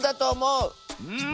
うん。